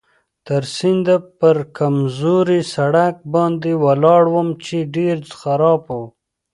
تر سینده پر کمزوري سړک باندې ولاړم چې ډېر خراب و.